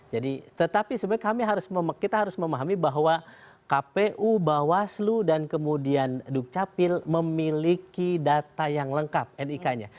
jadi tetapi sebenarnya kita harus memahami bahwa kpu bawaslu dan kemudian dukcapil memiliki data yang lengkap nik nya